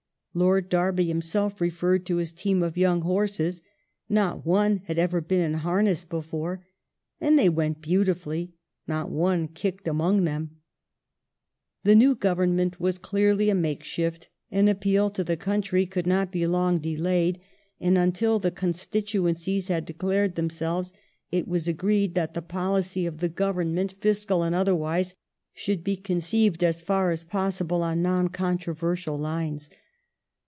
^ Lord Derby himself refen ed to his team of young horses :" not one had ever been in harness before, and they went beautifully ; not one kicked among them ".* Militia The new Government was clearly a makeshift ; an appeal to ' the country could not be long delayed ; and, until the constituen cies had declared themselves, it was agreed that the policy of the Government, fiscal and otherwise, should be conceived, as far as possible, on non controversial lines.